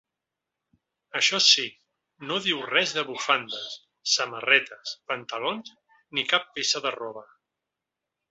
Això sí, no diu res de bufandes, samarretes, pantalons ni cap peça de roba.